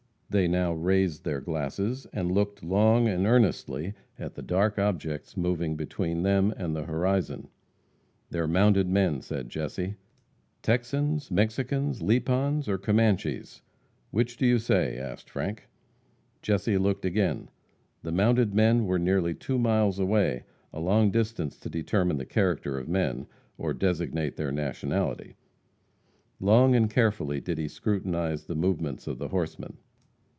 They now raised their glasses and looked long and earnestly at the dark objects moving between them and the horizon. "They are mounted men," said Jesse. "Texans, Mexicans, Lipans or Commanches? Which do you say?" asked Frank. Jesse looked again. The mounted men were nearly two miles away a long distance to determine the character of men, or designate their nationality. Long and carefully did he scrutinize the movements of the horsemen.